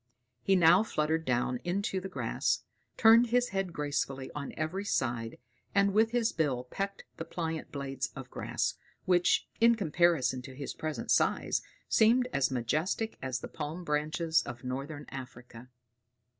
He now fluttered down into the grass, turned his head gracefully on every side, and with his bill pecked the pliant blades of grass, which, in comparison to his present size, seemed as majestic as the palm branches of northern Africa.